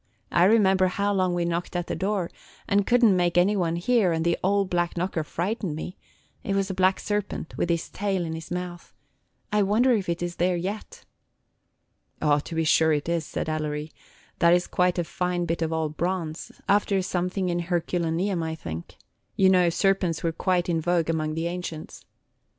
I remember how long we knocked at the door, and could n't make any one hear, and the old black knocker frightened me, – it was a black serpent with his tail in his mouth. I wonder if it is there yet." "O, to be sure it is," said Ellery; "that is quite a fine bit of old bronze, after something in Herculaneum, I think; you know serpents were quite in vogue among the ancients."